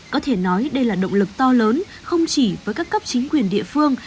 có thể nói đây là động lực to lớn không chỉ với các cấp chính quyền địa phương